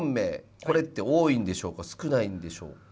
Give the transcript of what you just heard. これって多いんでしょうか少ないんでしょうか。